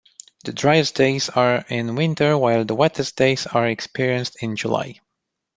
The driest days are in winter while the wettest days are experienced in July.